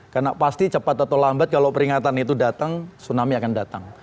karena pasti cepat atau lambat kalau peringatan itu datang tsunami akan datang